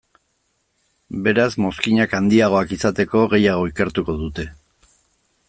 Beraz mozkinak handiagoak izateko, gehiago ikertuko dute.